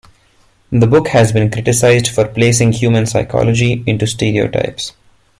The book has been criticized for placing human psychology into stereotypes.